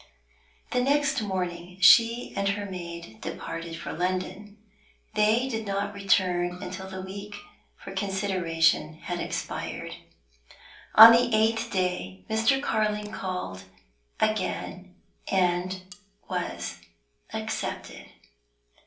The next morning she and her maid departed for London. They did not return until the week for consideration had expired. On the eighth day Mr. Carling called again and was accepted.